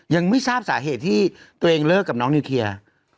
ยังไม่ทราบสาเหตุที่ตัวเองเลิกกับน้องนิวเคลียร์